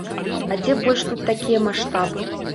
А дзе больш тут такія маштабы?